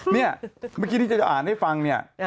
เมื่อกี้นี่จังหยุดฟัง